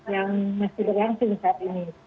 yang masih berlangsung saat ini